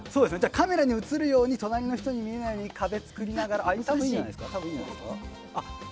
カメラに映るように隣の人に見えないように壁を作りながら。